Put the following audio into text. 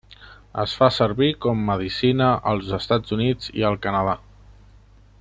Es fa servir com medicina als Estats Units i al Canadà.